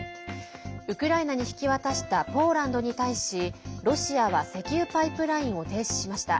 ウクライナに引き渡したポーランドに対しロシアは石油パイプラインを停止しました。